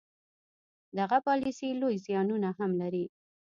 دغه پالیسي لوی زیانونه هم لري.